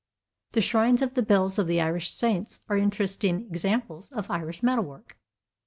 The shrines of the bells of the Irish saints are interesting examples of Irish metal work.